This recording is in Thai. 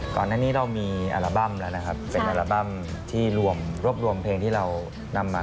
ก่อนหน้านี้เรามีอัลบั้มแล้วนะครับเป็นอัลบั้มที่รวมรวบรวมเพลงที่เรานำมา